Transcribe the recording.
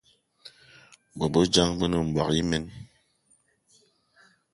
Bobejang, be ne mboigi imen.